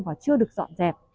và chưa được dọn dẹp